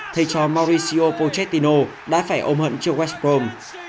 thay cho mauricio pochettino đã phải ôm hận chiều west brom